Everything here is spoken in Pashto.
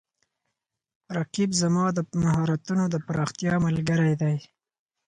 رقیب زما د مهارتونو د پراختیا ملګری دی